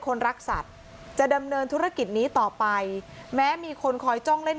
คนรักสัตว์จะดำเนินธุรกิจนี้ต่อไปแม้มีคนคอยจ้องเล่น